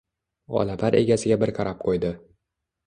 Olapar egasiga bir qarab qo‘ydi